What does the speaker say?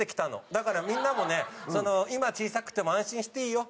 だからみんなもね今小さくても安心していいよ。